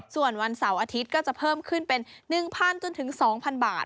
ส่วนวันเสาร์อาทิตย์ก็จะเพิ่มขึ้นเป็น๑๐๐จนถึง๒๐๐บาท